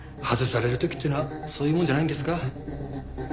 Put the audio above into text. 外される時っていうのはそういうもんじゃないんですか？